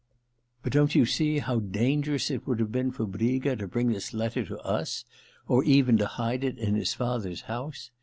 But don't you see how dangerous it would have been for Briga to bring this letter to us, or even to hide it in his father's house